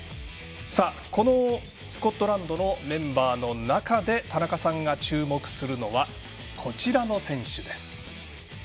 スコットランドのメンバーの中で田中さんが注目するのはこちらの選手です。